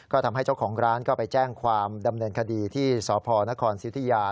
ก็ทำให้เจ้าของร้านก็ไปแจ้งความดำเนินคดีที่สพนครสิทยา